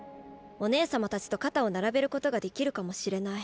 お姉様たちと肩を並べることができるかもしれない。